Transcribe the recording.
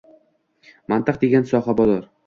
Mantiq degan soha bor.